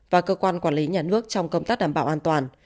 và cơ quan quản lý nhà nước trong công tác đảm bảo an toàn